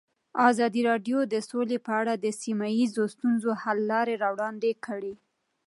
ازادي راډیو د سوله په اړه د سیمه ییزو ستونزو حل لارې راوړاندې کړې.